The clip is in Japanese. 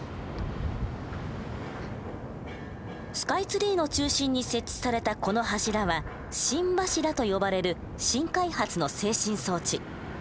スカイツリーの中心に設置されたこの柱は「心柱」と呼ばれる新開発の制振装置。